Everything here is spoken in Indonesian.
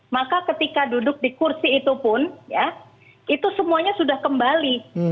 maka ketika duduk di kursi itu pun ya itu semuanya sudah kembali